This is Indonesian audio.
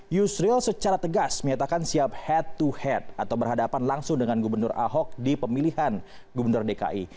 yusril secara tegas menyatakan siap head to head atau berhadapan langsung dengan gubernur ahok di pemilihan gubernur dki